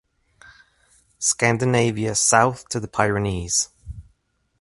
Scandinavia South to the Pyrenees.